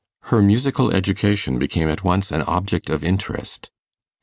Her musical education became at once an object of interest.